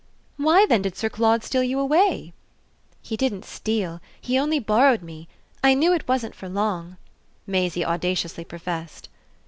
"Why then did Sir Claude steal you away?" "He didn't steal he only borrowed me. I knew it wasn't for long," Maisie audaciously professed.